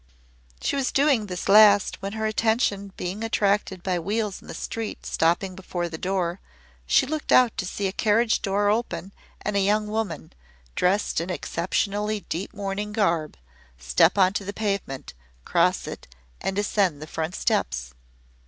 She was doing this last when her attention being attracted by wheels in the street stopping before the door, she looked out to see a carriage door open and a young woman, dressed in exceptionally deep mourning garb, step onto the pavement, cross it, and ascend the front steps.